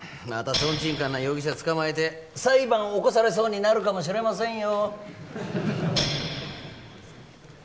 トンチンカンな容疑者捕まえて裁判起こされそうになるかもしれませんよ